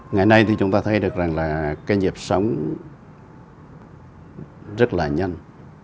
ngày nay thì chúng ta thấy được rằng là cái nhịp sống rất là nhanh